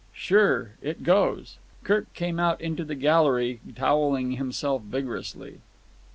"Sure. It goes." Kirk came out into the gallery, towelling himself vigorously.